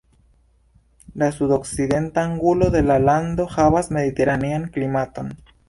La sudokcidenta angulo de la lando havas Mediteranean klimaton.